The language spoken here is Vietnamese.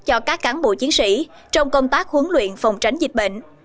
cho các cán bộ chiến sĩ trong công tác huấn luyện phòng tránh dịch bệnh